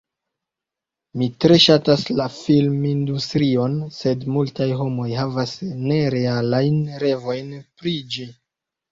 Mi tre ŝatas la filmindustrion, sed multaj homoj havas nerealajn revojn pri ĝi.